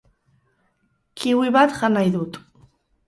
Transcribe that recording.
Kiwi bat jan nahi dut.